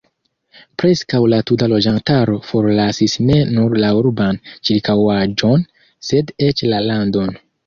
Preskaŭ la tuta loĝantaro forlasis ne nur la urban ĉirkaŭaĵon, sed eĉ la landon.